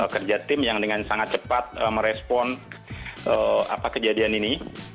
kerja tim yang dengan sangat cepat merespon apa kejadian ini